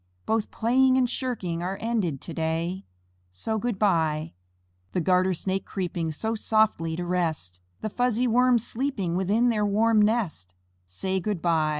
Both playing and shirking Are ended to day, So, "Good by." The Garter Snake creeping So softly to rest, The fuzzy Worms sleeping Within their warm nest, Say, "Good by."